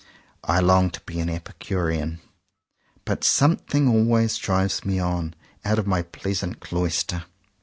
I long to be an Epicurean; but something always drives me on, out of my pleasant cloister.